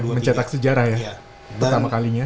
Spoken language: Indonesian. mencetak sejarah ya pertama kalinya